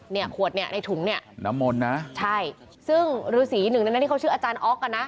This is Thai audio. ขวดเนี่ยในถุงเนี่ยน้ำมนต์นะใช่ซึ่งฤษีหนึ่งในนั้นที่เขาชื่ออาจารย์อ๊อกอ่ะนะ